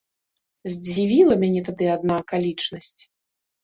Здзівіла мяне тады адна акалічнасць.